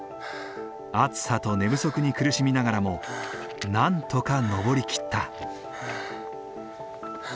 暑さと寝不足に苦しみながらもなんとか登り切った。